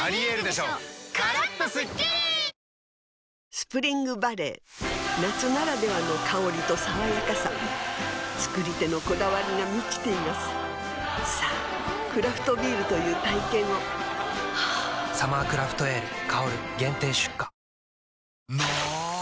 スプリングバレー夏ならではの香りと爽やかさ造り手のこだわりが満ちていますさぁクラフトビールという体験を「サマークラフトエール香」限定出荷の！